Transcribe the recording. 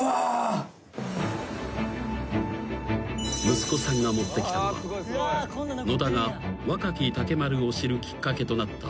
［息子さんが持ってきたのは野田が若木竹丸を知るきっかけとなった］